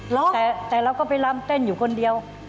แต่เราก็ไปลำเต้นอยู่คนเดียว